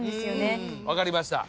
分かりました。